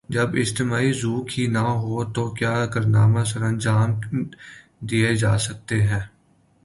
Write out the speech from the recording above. جب اجتماعی ذوق ہی نہ ہو تو کیا کارنامے سرانجام دئیے جا سکتے ہیں۔